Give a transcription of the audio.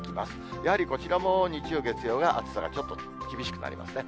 やはりこちらも日曜、月曜が暑さがちょっと厳しくなりますね。